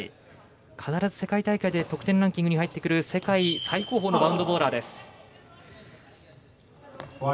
必ず世界大会で得点ランキングに入ってくる世界最高峰のバウンドボーラー。